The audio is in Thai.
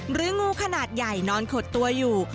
งูขนาดใหญ่นอนขดตัวอยู่